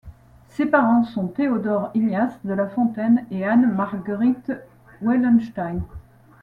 Ses parents sont Théodore Ignace de la Fontaine et Anne Marguerite Wellenstein.